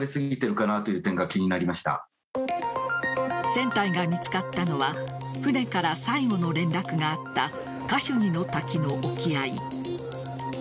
船体が見つかったのは船から最後の連絡があったカシュニの滝の沖合。